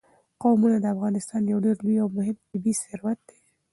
قومونه د افغانستان یو ډېر لوی او مهم طبعي ثروت دی.